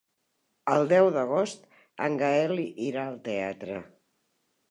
El deu d'agost en Gaël irà al teatre.